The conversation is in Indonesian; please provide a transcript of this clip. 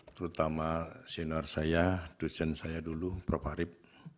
terutama senior saya dosen saya dulu prof arief